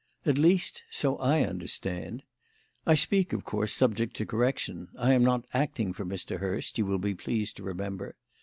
At least, so I understand. I speak, of course, subject to correction; I am not acting for Mr. Hurst, you will be pleased to remember.